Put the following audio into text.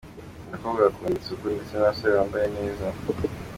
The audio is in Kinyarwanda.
Abakobwa bakunda isuku, ndetse n'abasore bambaye neza.